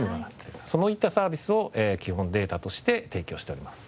そういったサービスを基本データとして提供しております。